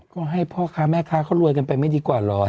ก็ให้พ่อค้าแม่ค้าเขารวยกันไปไม่ดีกว่าเหรอ